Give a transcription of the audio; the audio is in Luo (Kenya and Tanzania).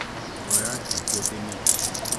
Go yath e puothini .